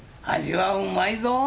味はうまいぞ。